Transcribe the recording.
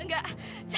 tidak tidak yang